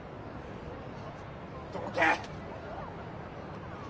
どけ！